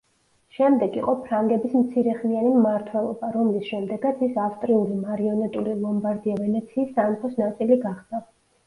შემდეგ იყო ფრანგების მცირეხნიანი მმართველობა, რომლის შემდეგაც ის ავსტრიული მარიონეტული ლომბარდია-ვენეციის სამეფოს ნაწილი გახდა.